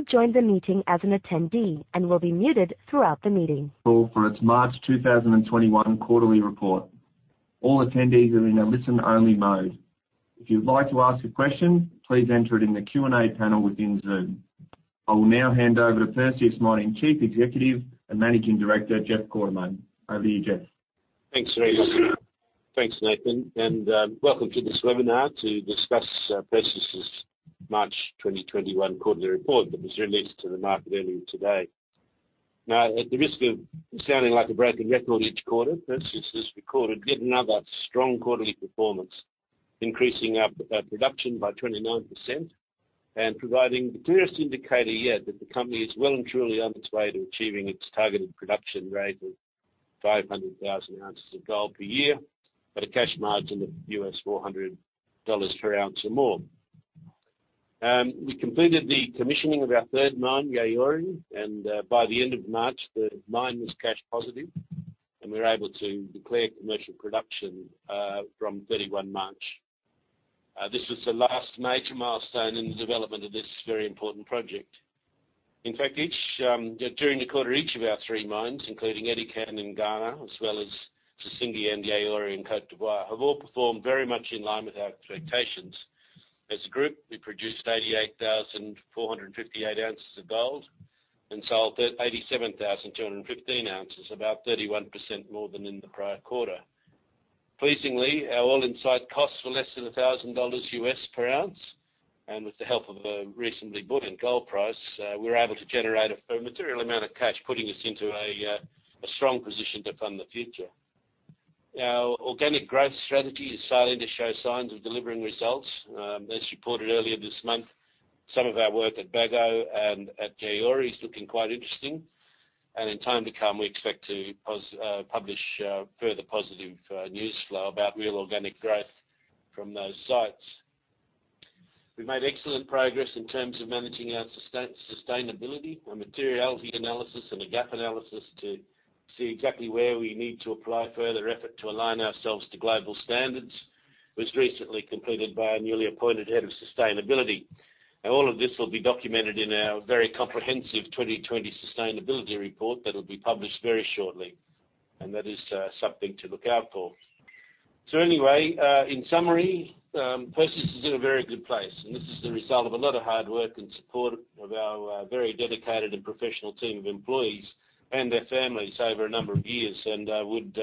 You have joined the meeting as an attendee and will be muted throughout the meeting. Call for its March 2021 quarterly report. All attendees are in a listen-only mode. If you'd like to ask a question, please enter it in the Q&A panel within Zoom. I will now hand over to Perseus Mining Chief Executive and Managing Director, Jeff Quartermaine. Over to you, Jeff. Thanks very much. Thanks, Nathan, and welcome to this webinar to discuss Perseus's March 2021 quarterly report that was released to the market earlier today. Now, at the risk of sounding like a broken record each quarter, Perseus has recorded yet another strong quarterly performance, increasing our production by 29% and providing the clearest indicator yet that the company is well and truly on its way to achieving its targeted production rate of 500,000 oz of gold per year at a cash margin of $400 per ounce or more. We completed the commissioning of our third mine, Yaouré, and by the end of March, the mine was cash positive, and we were able to declare commercial production from 31 March. This was the last major milestone in the development of this very important project. In fact, during the quarter, each of our three mines, including Edikan in Ghana, as well as Sissingué and Yaouré in Côte d'Ivoire, have all performed very much in line with our expectations. As a group, we produced 88,458 oz of gold and sold 87,215 oz, about 31% more than in the prior quarter. Pleasingly, our all-in site costs were less than $1,000 per ounce, and with the help of a recently booming gold price, we were able to generate a material amount of cash, putting us into a strong position to fund the future. Our organic growth strategy is starting to show signs of delivering results. As reported earlier this month, some of our work at Bagoé and at Yaouré is looking quite interesting, and in time to come, we expect to publish further positive news flow about real organic growth from those sites. We made excellent progress in terms of managing our sustainability. A materiality analysis and a gap analysis to see exactly where we need to apply further effort to align ourselves to global standards was recently completed by our newly appointed head of sustainability. All of this will be documented in our very comprehensive 2020 sustainability report that will be published very shortly, and that is something to look out for. Anyway, in summary, Perseus is in a very good place, and this is the result of a lot of hard work and support of our very dedicated and professional team of employees and their families over a number of years, and I would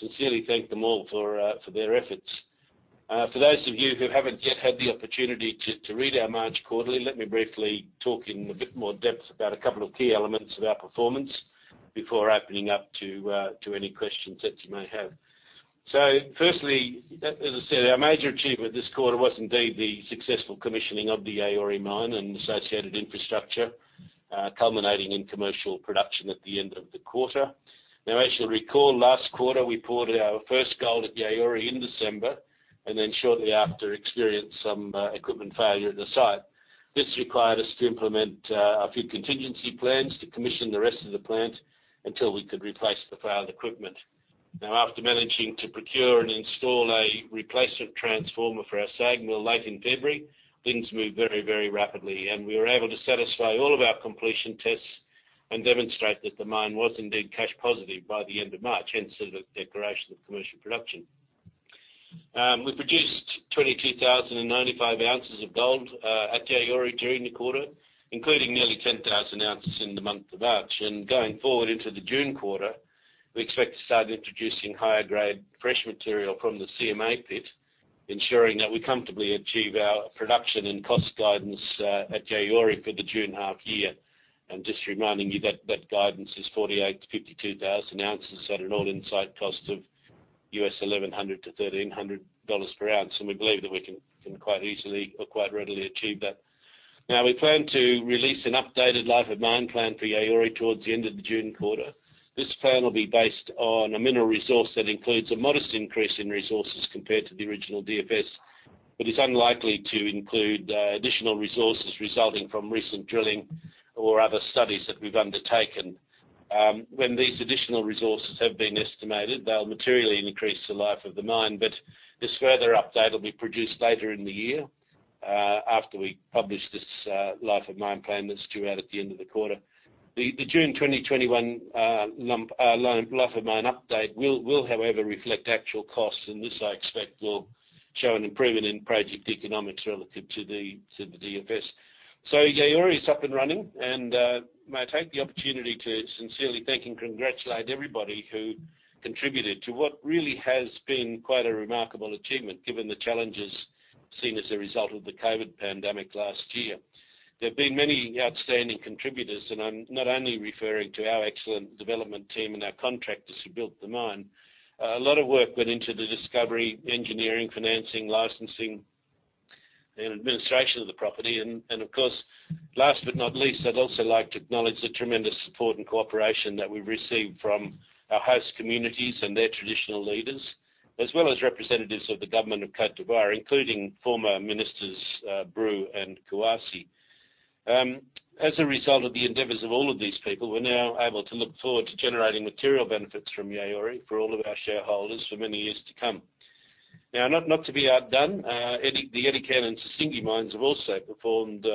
sincerely thank them all for their efforts. For those of you who haven't yet had the opportunity to read our March quarterly, let me briefly talk in a bit more depth about a couple of key elements of our performance before opening up to any questions that you may have. Firstly, as I said, our major achievement this quarter was indeed the successful commissioning of the Yaouré mine and associated infrastructure, culminating in commercial production at the end of the quarter. As you'll recall, last quarter, we poured our first gold at Yaouré in December, and then shortly after, experienced some equipment failure at the site. This required us to implement a few contingency plans to commission the rest of the plant until we could replace the failed equipment. Now, after managing to procure and install a replacement transformer for our SAG mill late in February, things moved very, very rapidly, and we were able to satisfy all of our completion tests and demonstrate that the mine was indeed cash positive by the end of March, hence the declaration of commercial production. We produced 22,095 oz of gold at Yaouré during the quarter, including nearly 10,000 oz in the month of March. Going forward into the June quarter, we expect to start introducing higher-grade fresh material from the CMA pit, ensuring that we comfortably achieve our production and cost guidance at Yaouré for the June half year. Just reminding you that that guidance is 48,000-52,000 oz at an all-in site cost of $1,100-$1,300 per ounce, and we believe that we can quite easily or quite readily achieve that. We plan to release an updated life of mine plan for Yaouré towards the end of the June quarter. This plan will be based on a mineral resource that includes a modest increase in resources compared to the original DFS, is unlikely to include additional resources resulting from recent drilling or other studies that we've undertaken. When these additional resources have been estimated, they'll materially increase the life of the mine. This further update will be produced later in the year, after we publish this life of mine plan that's due out at the end of the quarter. The June 2021 life of mine update will, however, reflect actual costs, this I expect will show an improvement in project economics relative to the DFS. Yaouré is up and running, and may I take the opportunity to sincerely thank and congratulate everybody who contributed to what really has been quite a remarkable achievement, given the challenges seen as a result of the COVID pandemic last year. There have been many outstanding contributors, I'm not only referring to our excellent development team and our contractors who built the mine. A lot of work went into the discovery, engineering, financing, licensing, and administration of the property. Of course, last but not least, I'd also like to acknowledge the tremendous support and cooperation that we've received from our host communities and their traditional leaders, as well as representatives of the government of Côte d'Ivoire, including former ministers Brou and Kouassi. As a result of the endeavors of all of these people, we're now able to look forward to generating material benefits from Yaouré for all of our shareholders for many years to come. Not to be outdone, the Edikan and Sissingué mines have also performed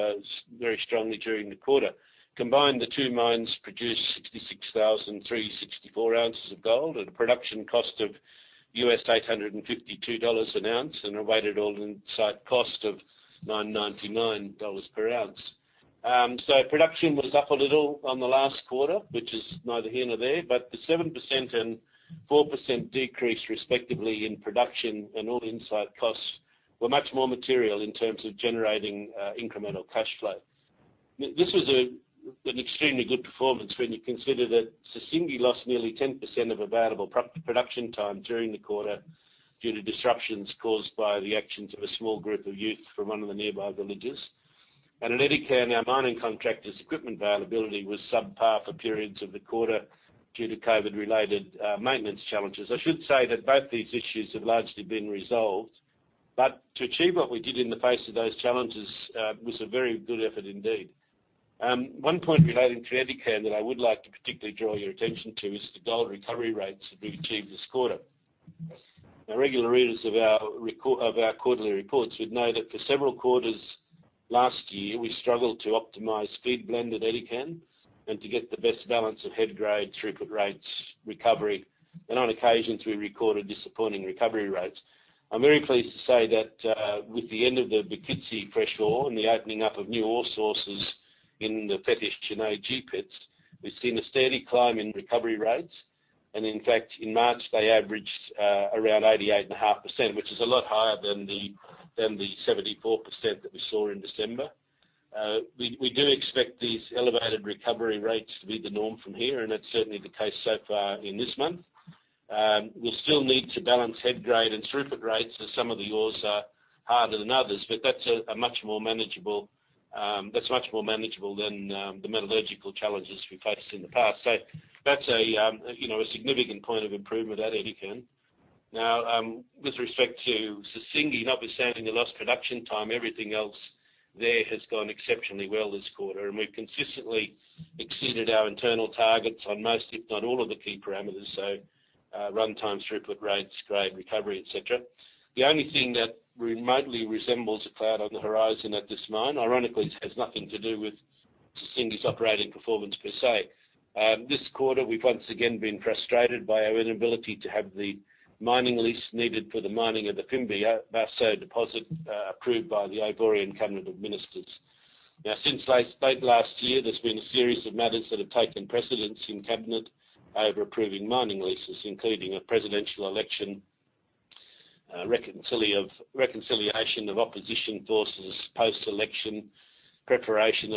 very strongly during the quarter. Combined, the two mines produced 66,364 oz of gold at a production cost of $852 an ounce and a weighted all-in site cost of $999 per ounce. Production was up a little on the last quarter, which is neither here nor there, but the 7% and 4% decrease, respectively, in production and all-in site costs were much more material in terms of generating incremental cash flow. This was an extremely good performance when you consider that Sissingué lost nearly 10% of available production time during the quarter due to disruptions caused by the actions of a small group of youth from one of the nearby villages. At Edikan, our mining contractor's equipment availability was subpar for periods of the quarter due to COVID-related maintenance challenges. I should say that both these issues have largely been resolved, but to achieve what we did in the face of those challenges was a very good effort indeed. One point relating to Edikan that I would like to particularly draw your attention to is the gold recovery rates that we've achieved this quarter. Regular readers of our quarterly reports would know that for several quarters last year, we struggled to optimize feed blend at Edikan and to get the best balance of head grade, throughput rates, recovery, and on occasions, we recorded disappointing recovery rates. I'm very pleased to say that with the end of the Bokitsi fresh ore and the opening up of new ore sources in the Fetish, Chirawewa, AG pits, we've seen a steady climb in recovery rates. In fact, in March, they averaged around 88.5%, which is a lot higher than the 74% that we saw in December. We do expect these elevated recovery rates to be the norm from here, and that's certainly the case so far in this month. We'll still need to balance head grade and throughput rates as some of the ores are harder than others, but that's much more manageable than the metallurgical challenges we faced in the past. That's a significant point of improvement at Edikan. Now, with respect to Sissingué, notwithstanding the lost production time, everything else there has gone exceptionally well this quarter, and we've consistently exceeded our internal targets on most, if not all, of the key parameters. Runtime, throughput rates, grade, recovery, etc. The only thing that remotely resembles a cloud on the horizon at this mine, ironically, has nothing to do with Sissingué's operating performance per se. This quarter, we've once again been frustrated by our inability to have the mining lease needed for the mining of the Fimbiasso deposit approved by the Ivorian Cabinet of Ministers. Since late last year, there's been a series of matters that have taken precedence in Cabinet over approving mining leases, including a presidential election, reconciliation of opposition forces post-election, preparation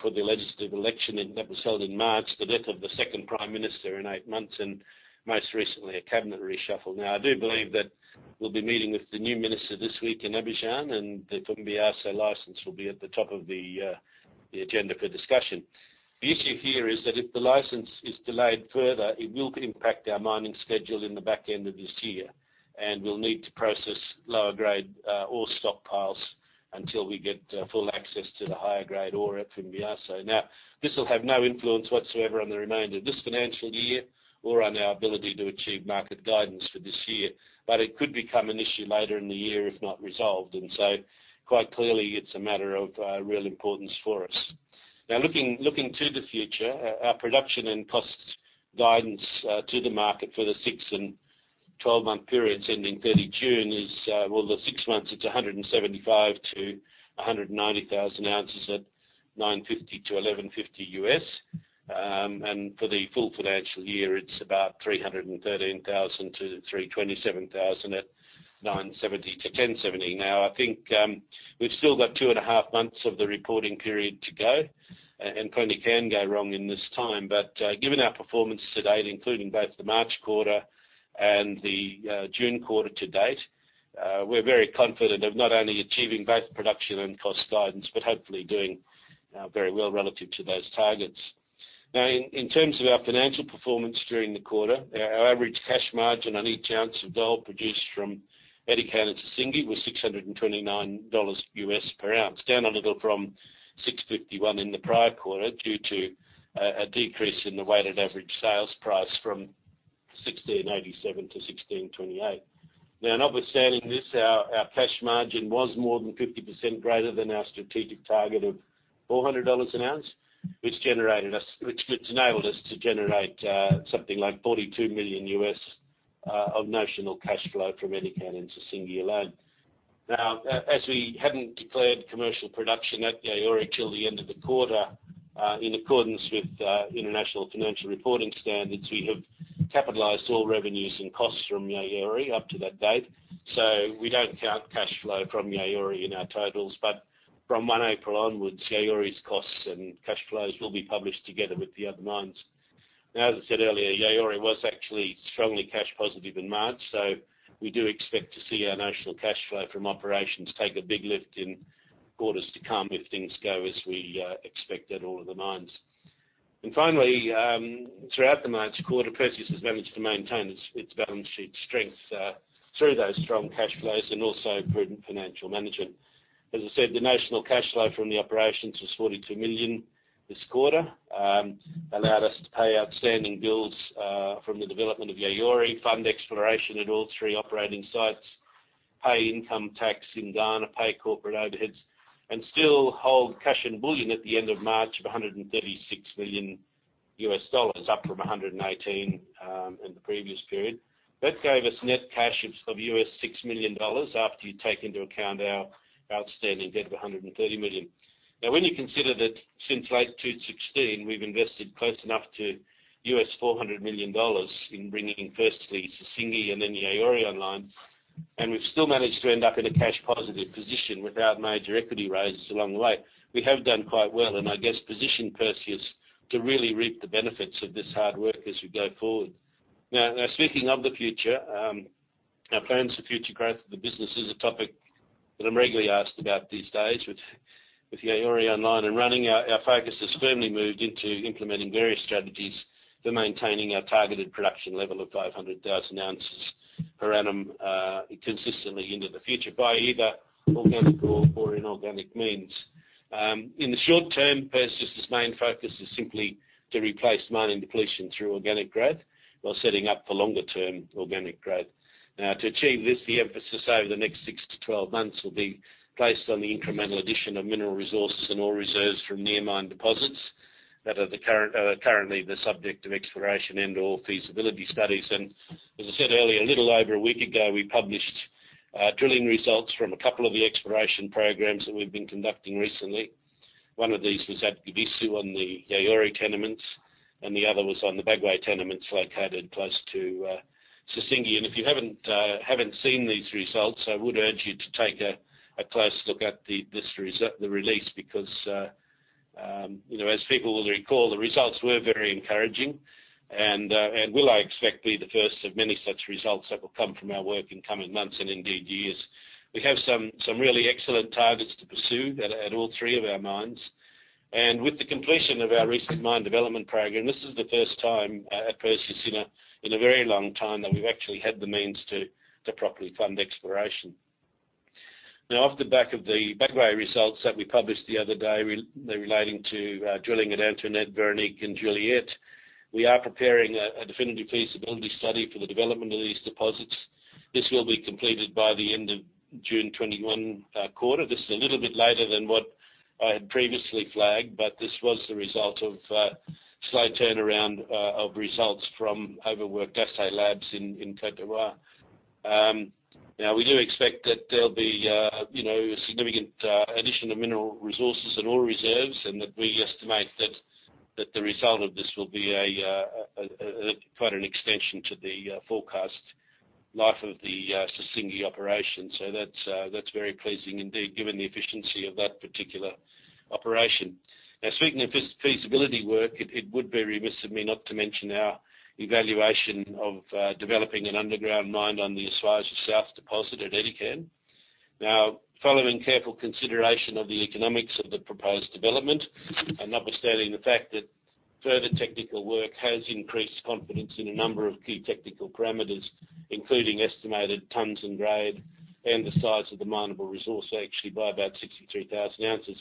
for the legislative election that was held in March, the death of the second prime minister in eight months, and most recently, a Cabinet reshuffle. I do believe that we'll be meeting with the new minister this week in Abidjan, and the Fimbiasso license will be at the top of the agenda for discussion. The issue here is that if the license is delayed further, it will impact our mining schedule in the back end of this year, and we'll need to process lower-grade ore stockpiles until we get full access to the higher-grade ore at Fimbiasso. This will have no influence whatsoever on the remainder of this financial year or on our ability to achieve market guidance for this year. It could become an issue later in the year if not resolved, quite clearly, it's a matter of real importance for us. Looking to the future, our production and costs guidance to the market for the six and 12-month periods ending 30 June is, well, the six months, it's 175,000-190,000 oz at $950-$1,150. For the full financial year, it's about 313,000-327,000 oz at $970-$1,070. I think we've still got two and a half months of the reporting period to go, plenty can go wrong in this time. Given our performance to date, including both the March quarter and the June quarter to date, we're very confident of not only achieving both production and cost guidance, but hopefully doing very well relative to those targets. In terms of our financial performance during the quarter, our average cash margin on each ounce of gold produced from Edikan and Sissingué was $629 per ounce, down a little from $651 in the prior quarter due to a decrease in the weighted average sales price from $1,687 to $1,628. Notwithstanding this, our cash margin was more than 50% greater than our strategic target of $400 an ounce, which enabled us to generate something like $42 million of notional cash flow from Edikan and Sissingué alone. As we haven't declared commercial production at Yaouré until the end of the quarter, in accordance with International Financial Reporting Standards, we have capitalized all revenues and costs from Yaouré up to that date. We don't count cash flow from Yaouré in our totals, but from 1 April onwards, Yaouré's costs and cash flows will be published together with the other mines. As I said earlier, Yaouré was actually strongly cash positive in March, so we do expect to see our notional cash flow from operations take a big lift in quarters to come if things go as we expect at all of the mines. Finally, throughout the March quarter, Perseus has managed to maintain its balance sheet strength through those strong cash flows and also prudent financial management. As I said, the notional cash flow from the operations was $42 million this quarter. Allowed us to pay outstanding bills from the development of Yaouré, fund exploration at all three operating sites, pay income tax in Ghana, pay corporate overheads, and still hold cash and bullion at the end of March of AUD 136 million, up from 118 million in the previous period. That gave us net cash of 6 million dollars, after you take into account our outstanding debt of 130 million. When you consider that since late 2016, we've invested close enough to 400 million dollars in bringing firstly Sissingué and then Yaouré online, and we've still managed to end up in a cash positive position without major equity raises along the way. We have done quite well and I guess, positioned Perseus to really reap the benefits of this hard work as we go forward. Speaking of the future, our plans for future growth of the business is a topic that I'm regularly asked about these days. With Yaouré online and running, our focus has firmly moved into implementing various strategies for maintaining our targeted production level of 500,000 oz per annum consistently into the future by either organic or inorganic means. In the short term, Perseus' main focus is simply to replace mining depletion through organic growth while setting up for longer term organic growth. To achieve this, the emphasis over the next six to 12 months will be placed on the incremental addition of mineral resources and ore reserves from near mine deposits that are currently the subject of exploration and/or feasibility studies. As I said earlier, a little over a week ago, we published drilling results from a couple of the exploration programs that we've been conducting recently. One of these was at Ebisu on the Yaouré tenements, and the other was on the Bagoé tenements located close to Sissingué. If you haven't seen these results, I would urge you to take a close look at the release because, as people will recall, the results were very encouraging, and will, I expect, be the first of many such results that will come from our work in coming months and indeed years. We have some really excellent targets to pursue at all three of our mines. With the completion of our recent mine development program, this is the first time at Perseus in a very long time that we've actually had the means to properly fund exploration. Off the back of the Bagoé results that we published the other day relating to drilling at Antoinette, Veronique, and Juliet, we are preparing a definitive feasibility study for the development of these deposits. This will be completed by the end of June 2021 quarter. This is a little bit later than what I had previously flagged, this was the result of a slow turnaround of results from overworked assay labs in Côte d'Ivoire. We do expect that there'll be a significant addition to mineral resources and ore reserves, that we estimate that the result of this will be quite an extension to the forecast life of the Sissingué operation. That's very pleasing indeed given the efficiency of that particular operation. Speaking of feasibility work, it would be remiss of me not to mention our evaluation of developing an underground mine on the Esuajah South deposit at Edikan. Following careful consideration of the economics of the proposed development, and notwithstanding the fact that further technical work has increased confidence in a number of key technical parameters, including estimated tons and grade, and the size of the minable resource actually by about 63,000 ounces,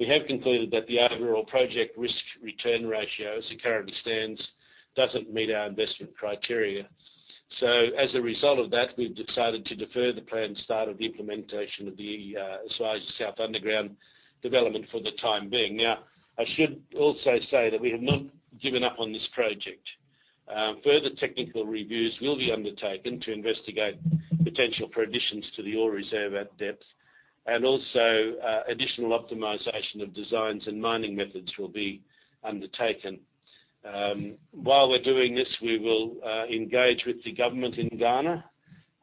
we have concluded that the overall project risk-return ratio, as it currently stands, doesn't meet our investment criteria. As a result of that, we've decided to defer the planned start of the implementation of the Esuajah South underground development for the time being. I should also say that we have not given up on this project. Further technical reviews will be undertaken to investigate potential for additions to the ore reserve at depth, and also additional optimization of designs and mining methods will be undertaken. While we're doing this, we will engage with the government in Ghana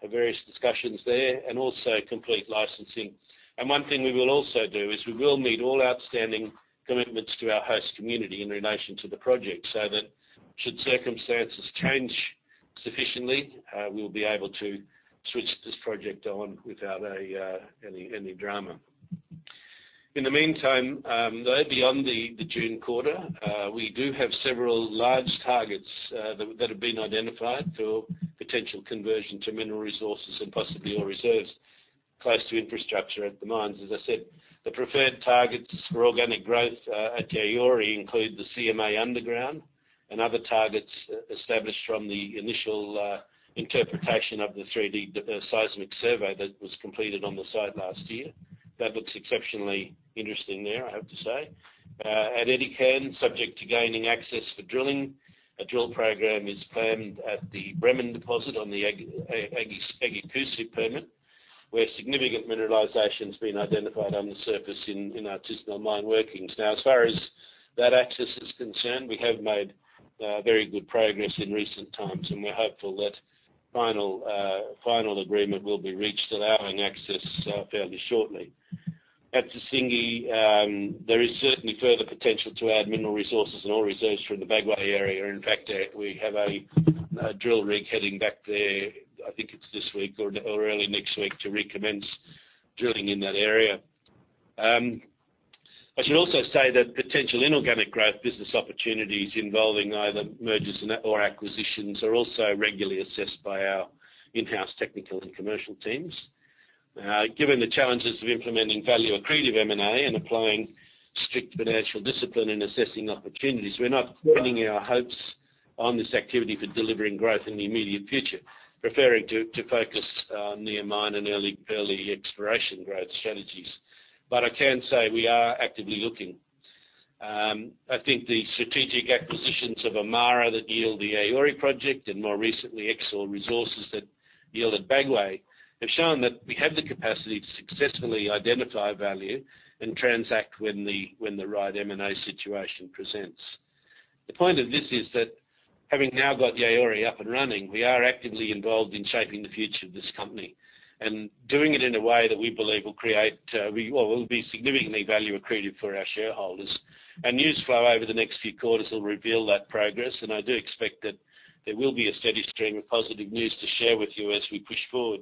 for various discussions there, and also complete licensing. One thing we will also do is we will meet all outstanding commitments to our host community in relation to the project, so that should circumstances change sufficiently, we'll be able to switch this project on without any drama. In the meantime, though, beyond the June quarter, we do have several large targets that have been identified for potential conversion to mineral resources and possibly ore reserves close to infrastructure at the mines. As I said, the preferred targets for organic growth at Yaouré include the CMA underground and other targets established from the initial interpretation of the 3D seismic survey that was completed on the site last year. That looks exceptionally interesting there, I have to say. At Edikan, subject to gaining access for drilling, a drill program is planned at the Bremen deposit on the Agyakusu permit, where significant mineralization's been identified on the surface in artisanal mine workings. Now, as far as that access is concerned, we have made very good progress in recent times, and we're hopeful that final agreement will be reached, allowing access fairly shortly. At Sissingué, there is certainly further potential to add mineral resources and ore reserves from the Bagoé area. In fact, we have a drill rig heading back there, I think it's this week or early next week to recommence drilling in that area. I should also say that potential inorganic growth business opportunities involving either mergers or acquisitions are also regularly assessed by our in-house technical and commercial teams. Given the challenges of implementing value-accretive M&A and applying strict financial discipline in assessing opportunities, we're not pinning our hopes on this activity for delivering growth in the immediate future, preferring to focus on near mine and early exploration growth strategies. I can say we are actively looking. I think the strategic acquisitions of Amara that yield the Yaouré project and more recently Exore Resources that yielded Bagoé have shown that we have the capacity to successfully identify value and transact when the right M&A situation presents. The point of this is that having now got the Yaouré up and running, we are actively involved in shaping the future of this company and doing it in a way that we believe will be significantly value accretive for our shareholders. News flow over the next few quarters will reveal that progress, and I do expect that there will be a steady stream of positive news to share with you as we push forward.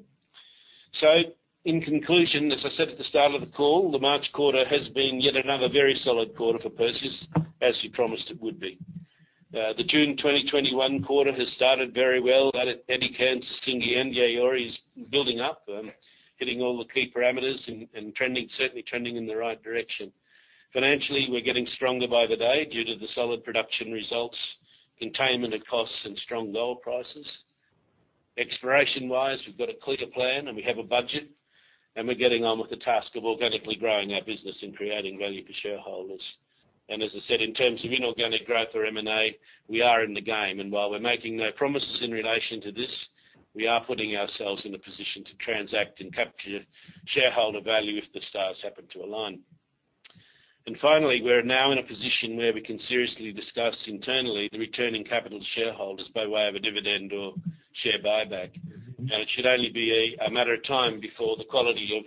In conclusion, as I said at the start of the call, the March quarter has been yet another very solid quarter for Perseus, as we promised it would be. The June 2021 quarter has started very well at Edikan, Sissingué and Yaouré is building up, hitting all the key parameters and certainly trending in the right direction. Financially, we're getting stronger by the day due to the solid production results, containment of costs, and strong gold prices. Exploration-wise, we've got a clearer plan and we have a budget. We're getting on with the task of organically growing our business and creating value for shareholders. As I said, in terms of inorganic growth or M&A, we are in the game, and while we're making no promises in relation to this, we are putting ourselves in a position to transact and capture shareholder value if the stars happen to align. Finally, we're now in a position where we can seriously discuss internally the returning capital to shareholders by way of a dividend or share buyback. It should only be a matter of time before the quality of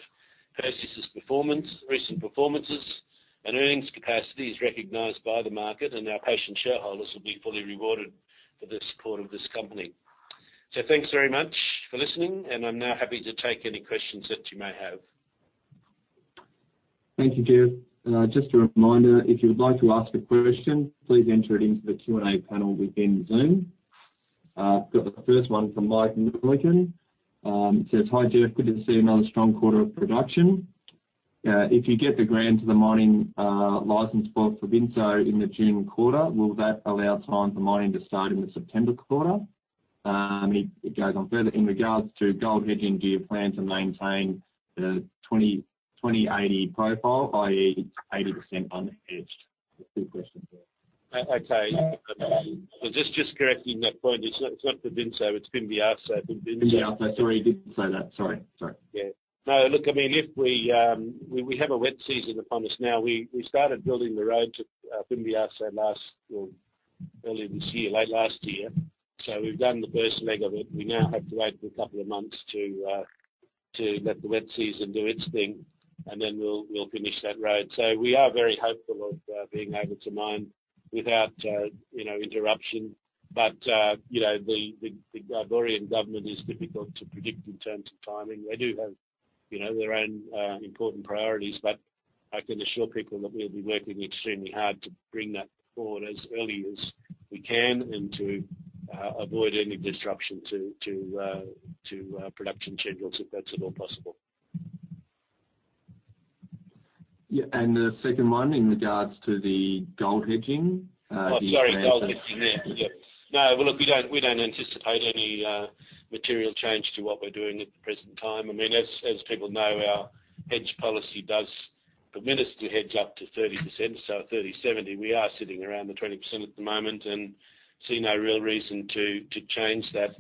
Perseus' recent performances and earnings capacity is recognized by the market, and our patient shareholders will be fully rewarded for their support of this company. Thanks very much for listening, and I'm now happy to take any questions that you may have. Thank you, Jeff. Just a reminder, if you would like to ask a question, please enter it into the Q&A panel within Zoom. I've got the first one from Mike Millican. It says, hi, Jeff. Good to see another strong quarter of production. If you get the ground to the mining license for Fimbiasso in the June quarter, will that allow time for mining to start in the September quarter? It goes on further, in regards to gold hedging, do you plan to maintain the 20/80 profile, i.e., 80% unhedged? There's two questions there. Okay. Just correcting that point. It's not Favanso, it's Fimbiasso. Fimbiasso. Sorry, didn't say that. Sorry. Yeah. No, look, we have a wet season upon us now. We started building the road to Fimbiasso early this year, late last year. We've done the first leg of it. We now have to wait for a couple of months to let the wet season do its thing, and then we'll finish that road. We are very hopeful of being able to mine without interruption. The Ivorian government is difficult to predict in terms of timing. They do have their own important priorities, but I can assure people that we'll be working extremely hard to bring that forward as early as we can and to avoid any disruption to production schedules if that's at all possible. Yeah. The second one in regards to the gold hedging. Oh, sorry. Gold hedging. Yeah. Look, we don't anticipate any material change to what we're doing at the present time. As people know, our hedge policy does permit us to hedge up to 30%, so 30/70. We are sitting around the 20% at the moment and see no real reason to change that.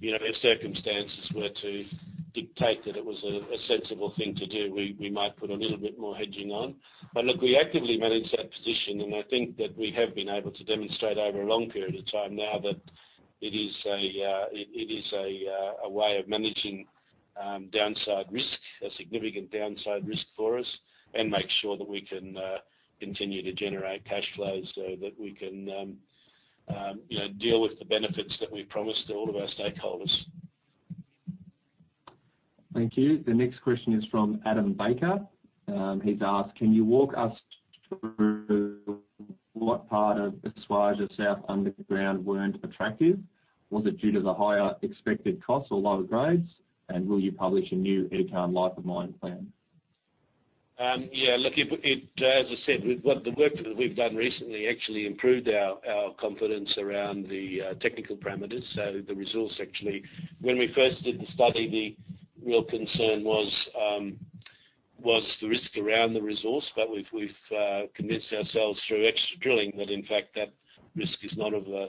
If circumstances were to dictate that it was a sensible thing to do, we might put a little bit more hedging on. Look, we actively manage that position, and I think that we have been able to demonstrate over a long period of time now that it is a way of managing a significant downside risk for us and make sure that we can continue to generate cash flows so that we can deal with the benefits that we've promised to all of our stakeholders. Thank you. The next question is from Adam Baker. He's asked, can you walk us through what part of Esuajah South underground weren't attractive? Was it due to the higher expected costs or lower grades? Will you publish a new Edikan life of mine plan? Yeah. Look, as I said, the work that we've done recently actually improved our confidence around the technical parameters. The resource, actually, when we first did the study, the real concern was the risk around the resource. We've convinced ourselves through extra drilling that in fact, that risk is not of a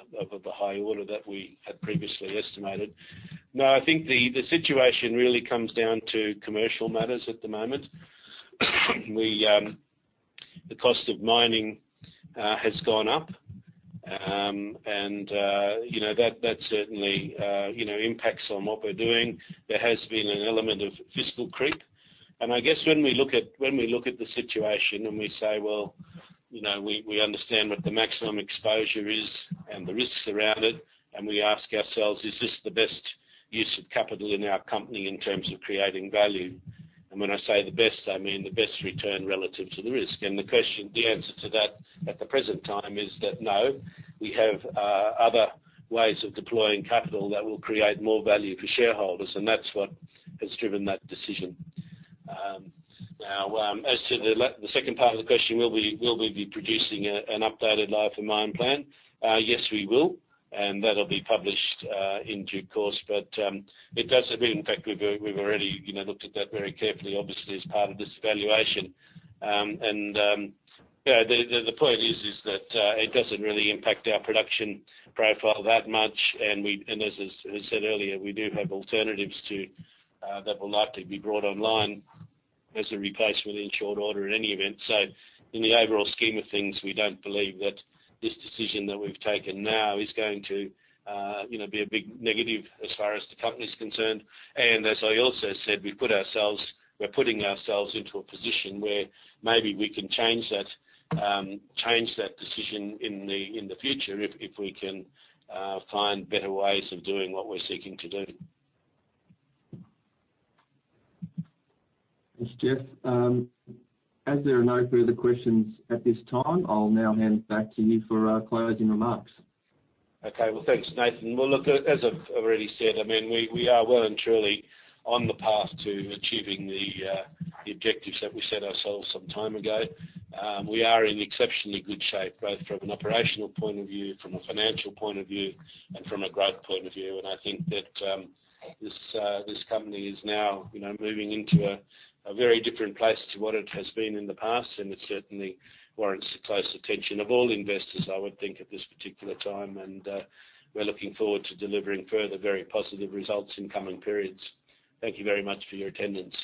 high order that we had previously estimated. No, I think the situation really comes down to commercial matters at the moment. The cost of mining has gone up. That certainly impacts on what we're doing. There has been an element of fiscal creep. I guess when we look at the situation and we say, well, we understand what the maximum exposure is and the risks around it, and we ask ourselves, is this the best use of capital in our company in terms of creating value? When I say the best, I mean the best return relative to the risk. The answer to that at the present time is that, no, we have other ways of deploying capital that will create more value for shareholders, and that's what has driven that decision. Now, as to the second part of the question, will we be producing an updated life of mine plan? Yes, we will, and that'll be published in due course. It doesn't really. In fact, we've already looked at that very carefully, obviously, as part of this valuation. The point is that it doesn't really impact our production profile that much, and as I said earlier, we do have alternatives that will likely be brought online as a replacement in short order in any event. In the overall scheme of things, we don't believe that this decision that we've taken now is going to be a big negative as far as the company's concerned. As I also said, we're putting ourselves into a position where maybe we can change that decision in the future if we can find better ways of doing what we're seeking to do. Thanks, Jeff. As there are no further questions at this time, I'll now hand it back to you for closing remarks. Okay. Well, thanks, Nathan. Well, look, as I've already said, we are well and truly on the path to achieving the objectives that we set ourselves some time ago. We are in exceptionally good shape, both from an operational point of view, from a financial point of view, and from a growth point of view. I think that this company is now moving into a very different place to what it has been in the past, and it certainly warrants the close attention of all investors, I would think, at this particular time. We're looking forward to delivering further very positive results in coming periods. Thank you very much for your attendance.